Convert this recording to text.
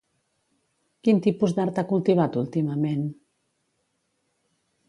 Quin tipus d'art ha cultivat últimament?